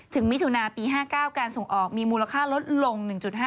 มิถุนาปี๕๙การส่งออกมีมูลค่าลดลง๑๕